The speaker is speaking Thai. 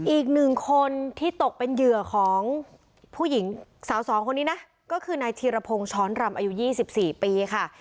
อีกหนึ่งคนที่ตกเป็นเหยื่อของผู้หญิงสาวสองคนนี้นะก็คือนายธีรพงศ์ช้อนรำอายุ๒๔ปีค่ะ